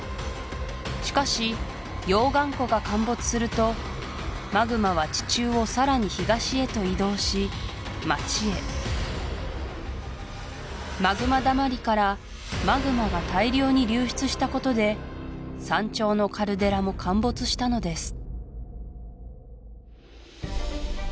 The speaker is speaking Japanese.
しかし溶岩湖が陥没するとマグマは地中をさらに東へと移動し街へマグマだまりからマグマが大量に流出したことで山頂のカルデラも陥没したのです